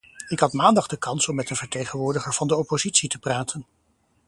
Ik had maandag de kans om met een vertegenwoordiger van de oppositie te praten.